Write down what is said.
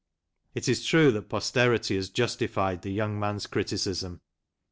It is true that posterity has justified the young man's criticism.